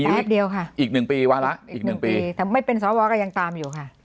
แป๊บเดียวค่ะอีกหนึ่งปีวาระอีกหนึ่งปีแต่ไม่เป็นสวก็ยังตามอยู่ค่ะ